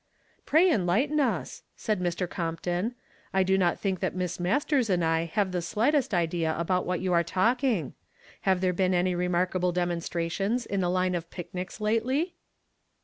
"Pray enlighten us," said Mr. Compton. «I do not think that Miss Masters and I have the slightest idea about what you are talking. Have there been any remarkable demonstrations in the hne of picnics lately